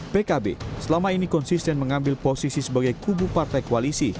pkb selama ini konsisten mengambil posisi sebagai kubu partai koalisi